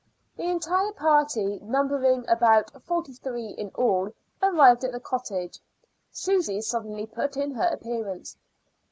The entire party, numbering about forty three in all, arrived at the cottage. Susy suddenly put in her appearance.